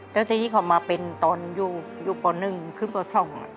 แต่ที่เขามาเป็นตอนอยู่ป่าวหนึ่งขึ้นป่าวสอง